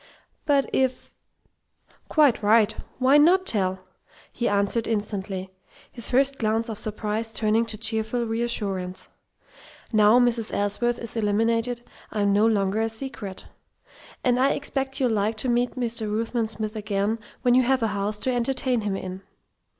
"But if " "Quite right. Why not tell?" he answered instantly, his first glance of surprise turning to cheerful reassurance. "Now Mrs. Ellsworth is eliminated, I'm no longer a secret. And I expect you'll like to meet Mr. Ruthven Smith again when you have a house to entertain him in."